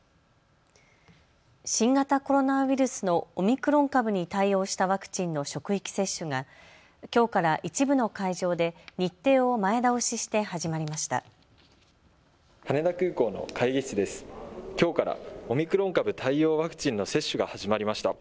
新型コロナウイルスのオミクロン株に対応したワクチンの職域接種がきょうから一部の会場で日程を前倒しして始まりました。